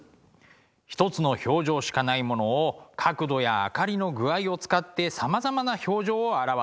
ひとつの表情しかないものを角度や明かりの具合を使ってさまざまな表情を表す。